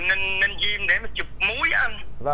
ninh duyên để mà chụp múi anh